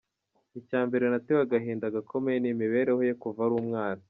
Icya mbere natewe agahinda gakomeye n’imibereho ye kuva ari umwana.